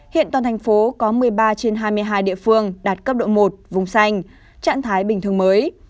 hiện toàn thành phố có một mươi ba trên hai mươi hai địa phương đạt cấp độ một vùng xanh trạng thái bình thường mới